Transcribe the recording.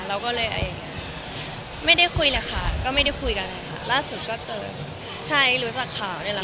เราก็เลยไม่ได้คุยเลยค่ะก็ไม่ได้คุยกันเลยค่ะล่าสุดก็เจอใช่รู้จักข่าวนี่แหละค่ะ